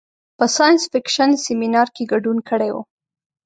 په ساینس فکشن سیمنار کې ګډون کړی و.